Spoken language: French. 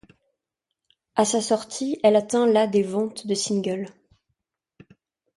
À sa sortie, elle atteint la des ventes de singles.